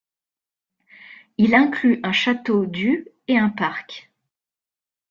Il inclut un château du et un parc.